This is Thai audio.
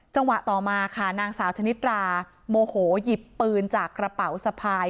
จังหวะต่อมาค่ะนางสาวชนิดราโมโหหยิบปืนจากกระเป๋าสะพาย